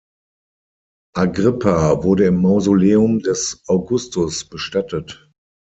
Agrippa wurde im Mausoleum des Augustus bestattet.